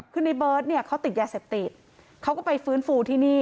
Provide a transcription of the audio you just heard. คือในเบิร์ตเนี่ยเขาติดยาเสพติดเขาก็ไปฟื้นฟูที่นี่